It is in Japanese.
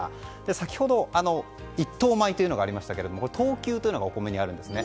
先ほど、１等米というのがありましたけれども等級というのがお米にはあるんですね。